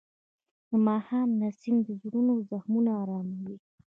د ماښام نسیم د زړونو زخمونه آراموي.